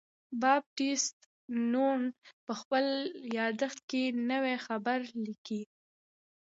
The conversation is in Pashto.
بابټیست نون په خپل بل یادښت کې نوی خبر لیکي.